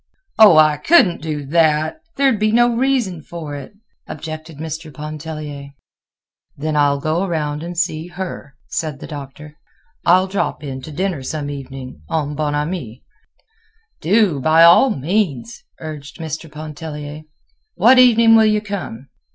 "Oh! I couldn't do that; there'd be no reason for it," objected Mr. Pontellier. "Then I'll go around and see her," said the Doctor. "I'll drop in to dinner some evening en bon ami." "Do! by all means," urged Mr. Pontellier. "What evening will you come?